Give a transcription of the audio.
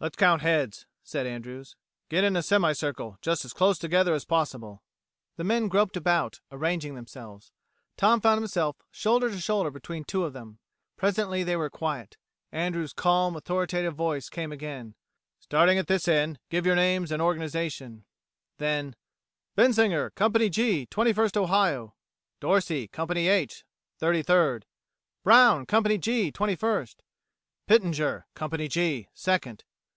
"Let's count heads," said Andrews. "Get in a semi circle, just as close together as possible." The men groped about, arranging themselves. Tom found himself shoulder to shoulder between two of them. Presently they were quiet. Andrews' calm, authoritative voice came again: "Starting at this end, give your names and your organizations." Then: "Bensinger, Company G, Twenty first Ohio" "Dorsey, Company H, Thirty third" "Brown, Company G, Twenty first" "Pittenger, Company G, Second"....